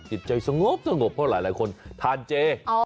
จิตใจสงบสงบเพราะหลายหลายคนทานเจ